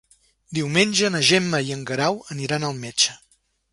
Diumenge na Gemma i en Guerau aniran al metge.